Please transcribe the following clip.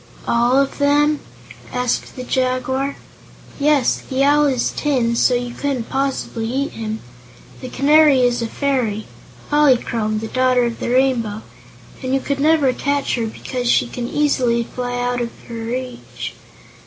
"All of them?" asked the Jaguar. "Yes. The Owl is tin, so you couldn't possibly eat him. The Canary is a fairy Polychrome, the Daughter of the Rainbow and you never could catch her because she can easily fly out of your reach."